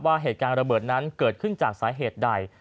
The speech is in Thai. เหตุการณ์ระเบิดนั้นเกิดขึ้นจากสาเหตุใด